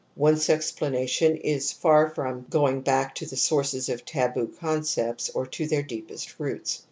Wundt's explanation is far from going back to the sources of taboo concepts or to their deepest roots.